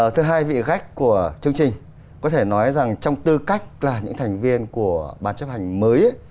thứ hai vị khách của chương trình có thể nói rằng trong tư cách là những thành viên của ban chấp hành mới